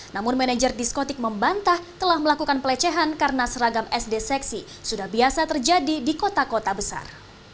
namun manajer diskotik membantah telah melakukan pelecehan karena seragam sd seksi sudah biasa terjadi di kota kota besar